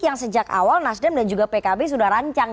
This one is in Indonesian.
yang sejak awal nasdem dan juga pkb sudah rancang